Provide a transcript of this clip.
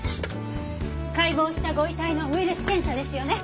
解剖したご遺体のウイルス検査ですよね？